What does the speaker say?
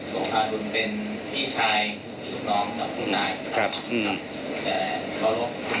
ชื่อโศษาดุลเป็นพี่ชายพี่ลูกน้องกับผู้นายอ่ะครับอืม